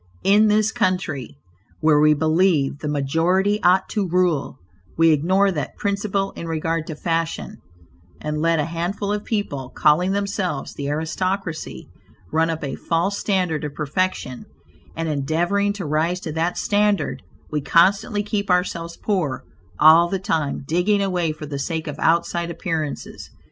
In this country, where we believe the majority ought to rule, we ignore that principle in regard to fashion, and let a handful of people, calling themselves the aristocracy, run up a false standard of perfection, and in endeavoring to rise to that standard, we constantly keep ourselves poor; all the time digging away for the sake of outside appearances.